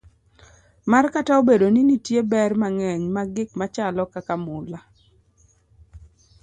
mar Kata obedo ni nitie ber mang'eny mag gik machalo kaka mula,